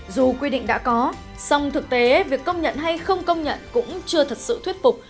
dù quy định đã có song thực tế việc công nhận hay không công nhận cũng chưa thật sự thuyết phục